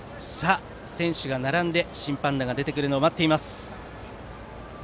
選手が並んで審判団が来るのを待っています。